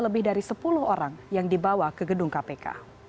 lebih dari sepuluh orang yang dibawa ke gedung kpk